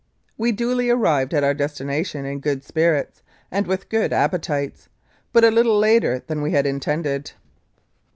We duly arrived at our destination in good spirits and with good appetites, but a little later than we had intended.